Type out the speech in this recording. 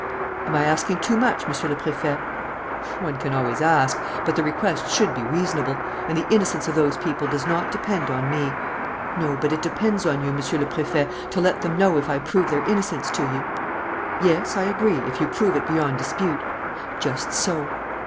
"Am I asking too much, Monsieur le Préfet?" "One can always ask, but the request should be reasonable. And the innocence of those people does not depend on me." "No; but it depends on you, Monsieur le Préfet, to let them know if I prove their innocence to you." "Yes, I agree, if you prove it beyond dispute." "Just so."